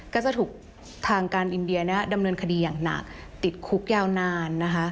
ก็จะถูกทางการอินเดียดำเนินคดีอย่างหนักติดคุกยาวนานนะคะ